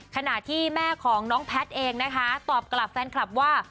ขณะที่แม่ของน้องแพทย์เองนะคะตอบกลับแฟนคลับว่า